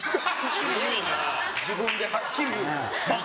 自分ではっきり言う。